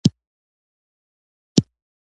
دا ازادي نامحدوده نه ده محدوده ده.